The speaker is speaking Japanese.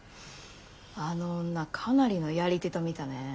あの女かなりのやり手と見たね。